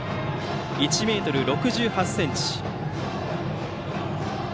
１ｍ６８ｃｍ。